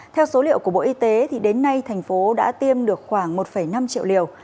theo số liệu của bộ y tế đến nay tp hcm đã tiêm được khoảng một năm triệu liều